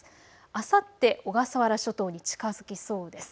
あさって小笠原諸島に近づきそうです。